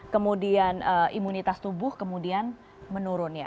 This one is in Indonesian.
kemudian imunitas tubuh kemudian menurun ya